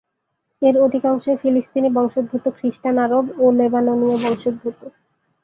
এর অধিকাংশই ফিলিস্তিনী বংশোদ্ভূত খ্রিস্টান আরব ও লেবাননীয় বংশোদ্ভূত।